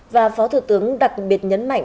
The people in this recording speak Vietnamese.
và phó thủ tướng đặc biệt nhấn mạnh